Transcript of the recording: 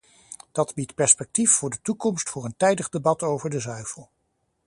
Dat biedt perspectief voor de toekomst voor een tijdig debat over de zuivel.